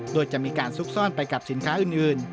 โดยจะมีการซุกซ่อนไปกับสินค้าอื่น